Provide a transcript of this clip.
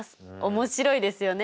面白いですよね。